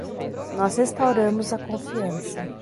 Nós restauramos a confiança